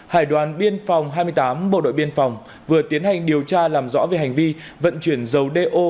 hải đoàn biên phòng hai mươi tám bộ đội biên phòng vừa tiến hành điều tra làm rõ về hành vi vận chuyển dầu đeo